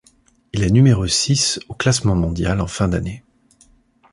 Il est numéro six au classement mondial en fin d'année.